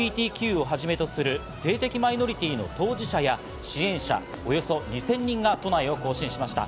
多様性の理解を呼びかけながら、ＬＧＢＴＱをはじめとする性的マイノリティの当事者や支援者、およそ２０００人が都内を行進しました。